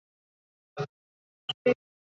圣布里苏什是葡萄牙贝雅区的一个堂区。